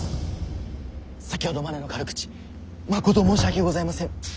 先ほどまでの軽口まこと申し訳ございません。